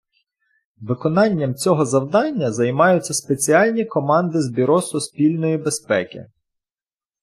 Виконанням цього завдання займаються спеціальні команди з Бюро Суспільної Безпеки.